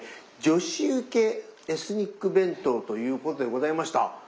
「女子受けエスニック弁当」ということでございました。